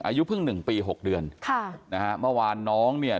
อายุเพิ่งหนึ่งปีหกเดือนค่ะนะฮะเมื่อวานน้องเนี่ย